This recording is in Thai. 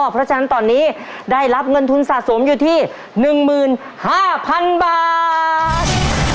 เพราะฉะนั้นตอนนี้ได้รับเงินทุนสะสมอยู่ที่๑๕๐๐๐บาท